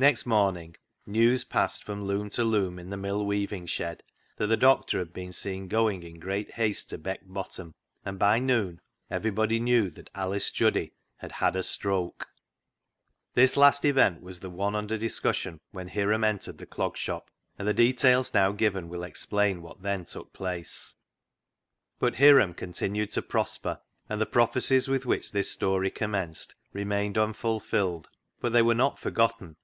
Next morning news passed from loom to loom in the mill weaving shed that the doctor had been seen going in great haste to Beck Bottom, and by noon everybody knew that Alice Juddy had had a stroke. This last event was the one under discus sion when Hiram entered the Clog Shop, and the details now given will explain what then took place. COALS OF FIRE 133 But Hiram continued to prosper, and the prophecies with which this story commenced remained unfulfilled. But they were not for gotten.